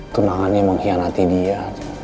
tunangannya mengkhianati dia